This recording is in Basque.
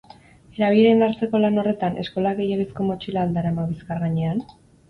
Erabilera indartzeko lan horretan, eskolak gehiegizko motxila al darama bizkar gainean?